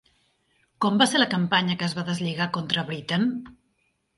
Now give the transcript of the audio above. Com va ser la campanya que es va deslligar contra Britten?